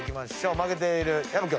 負けている薮君。